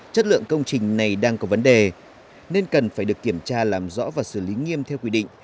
chất lượng công trình này đang có vấn đề nên cần phải được kiểm tra làm rõ và xử lý nghiêm theo quy định